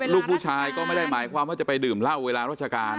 ลูกผู้ชายก็ไม่ได้หมายความว่าจะไปดื่มเหล้าเวลาราชการ